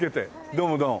どうもどうも。